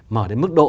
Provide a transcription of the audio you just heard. mở đến mức độ